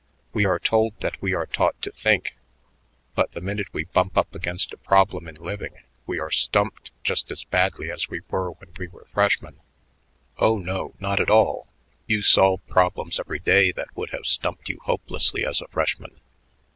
We are told that we are taught to think, but the minute we bump up against a problem in living we are stumped just as badly as we were when we are freshmen." "Oh, no, not at all. You solve problems every day that would have stumped you hopelessly as a freshman.